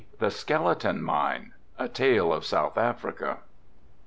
THE SKELETON MINE. A Tale of South Africa.